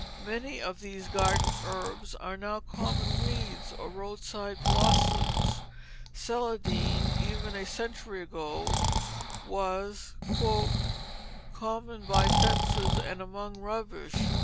Many of these garden herbs are now common weeds or roadside blossoms. Celandine, even a century ago, was "common by fences and among rubbish."